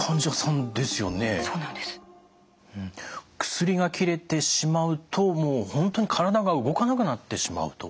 薬が切れてしまうともう本当に体が動かなくなってしまうと。